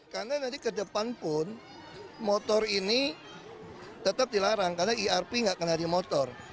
karena nanti ke depan pun motor ini tetap dilarang karena irp nggak kena di motor